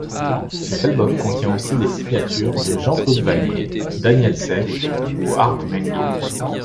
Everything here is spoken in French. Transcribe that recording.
Cet album contient aussi les signatures de Jean-Claude Vannier, Daniel Seff ou Art Mengo.